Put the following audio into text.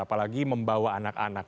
apalagi membawa anak anak